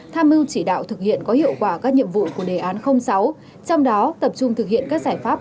tham mưu chỉ đạo thực hiện có hiệu quả các nhiệm vụ của đề án sáu trong đó tập trung thực hiện các giải pháp